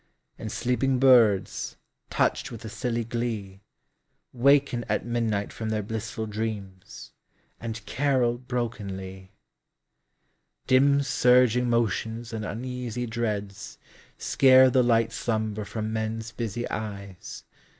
And sleeping birds, touched with a silly glee, Waken at midnight from their blissful dreams. And carol brokenly. 142 LYRICS OF EARTH Dim surging motions and uneasy dreads Scare the light slumber from men's busy eyes.